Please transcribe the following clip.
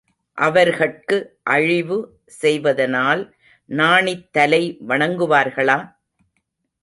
அவர்கட்கு அழிவு செய்வதனால் நாணித் தலை வணங்குவார்களா?